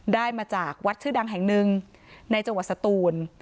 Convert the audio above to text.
ได้มาจากวัดชื่อดังแห่งหนึ่งในจังหวัดสตูน